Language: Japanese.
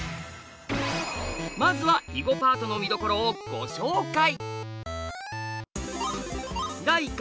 まずは囲碁パートのみどころをご紹介！